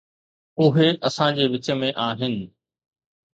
اهي اسان جي وچ ۾ آهن.